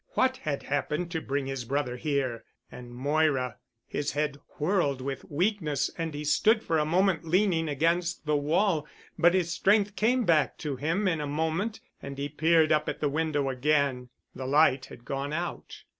What had happened to bring his brother here? And Moira ... His head whirled with weakness and he stood for a moment leaning against the wall, but his strength came back to him in a moment, and he peered up at the window again. The light had gone out.